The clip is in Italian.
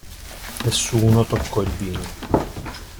Nessuno toccò il vino.